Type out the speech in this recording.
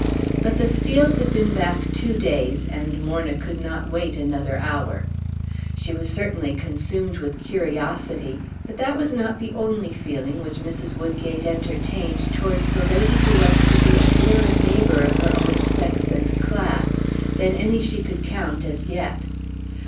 But the Steels had been back two days, and Morna could not wait another hour. She was certainly consumed with curiosity; but that was not the only feeling which Mrs. Woodgate entertained towards the lady who was to be a nearer neighbor of her own sex and class than any she could count as yet.